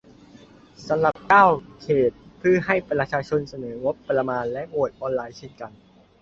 สำหรับ เก้า เขต เพื่อให้ประชาชนเสนองบประมาณ และ โหวตออนไลน์เช่นกัน